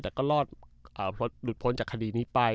แต่ก็รอดหลุดพ้นจากคดีนี้ไป